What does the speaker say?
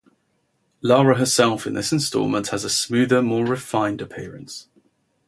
Lara herself in this instalment has a smoother, more refined appearance.